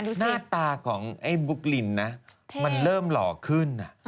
นี่หน้าตาของไอบุ๊กลินนะเท่มันเริ่มหล่อขึ้นอะ